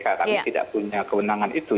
karena kami tidak punya kewenangan itu